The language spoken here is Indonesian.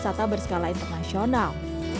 kawasan wisata berskala internasional